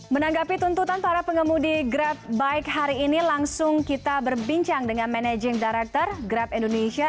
menanggapi tuntutan para pengemudi grab bike hari ini langsung kita berbincang dengan managing director grab indonesia